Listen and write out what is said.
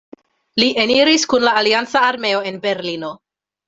Li eniris kun la alianca armeo en Berlino.